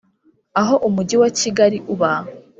Aho Umujyi wa Kigali uba